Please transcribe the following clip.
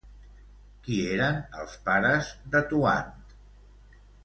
Qui eren els pares de Toant?